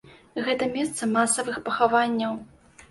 Гэта месца масавых пахаванняў.